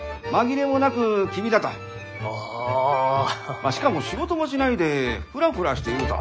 まあしかも仕事もしないでフラフラしていると。